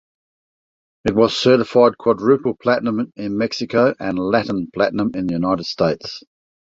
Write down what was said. It was certified quadruple platinum in Mexico and Latin platinum in the United States.